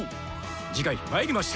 次回「魔入りました！